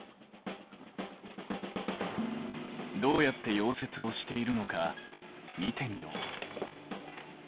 どうやって溶接をしているのか見てみよう。